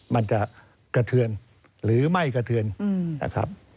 มันจะกระเทือนหรือไม่กระเทือนนะครับ